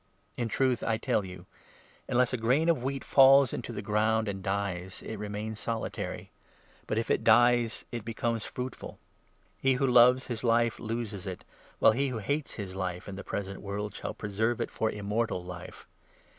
In 24 truth 1 tell you, unless a grain of wheat falls into the ground and dies, it remains solitary ; but, if it dies, it becomes fruitful. He who loves his lite loses it ; while he who hates his 25 life in the present world shall preserve it for Immortal Life.